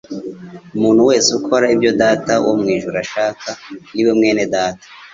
Umuntu wese ukora ibyo Data wo mu ijuru ashaka ni we mwene data,